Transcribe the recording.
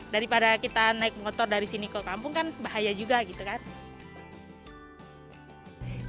daripada kita naik motor dari sini ke kampung kan bahaya juga gitu kan